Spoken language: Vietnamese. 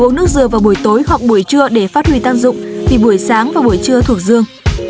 gấu nước dừa vào buổi tối hoặc buổi trưa để phát huy tác dụng vì buổi sáng và buổi trưa thuộc dương